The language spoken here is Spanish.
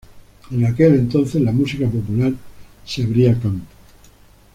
En aquel entonces la música popular se abría campo.